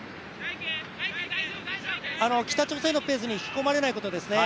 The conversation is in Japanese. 北朝鮮のペースに引き込まれないことですね。